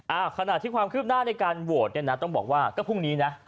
อ่าขณะที่ความคืบหน้าในการโหวตเนี่ยนะต้องบอกว่าก็พรุ่งนี้นะ